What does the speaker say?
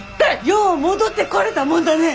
よう戻ってこれたもんだね。